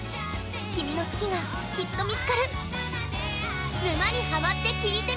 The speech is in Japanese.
君の好きが、きっと見つかる。